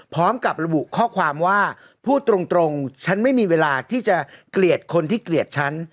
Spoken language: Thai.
พร้อมกับระบุข้อความว่าพูดตรงฉันไม่มีเวลาที่จะเกลียดคนที่เกลียดฉัน